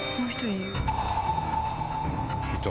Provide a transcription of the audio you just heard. いた。